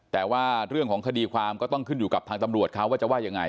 แต่ว่าเรื่องของคดีความก็ต้องขึ้นอยู่กับทางตำรวจเขาว่าจะว่ายังไง